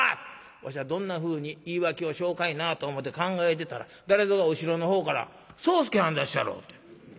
わしはどんなふうに言い訳をしようかいなと思うて考えてたら誰ぞが後ろの方から『宗助はんでっしゃろ』って。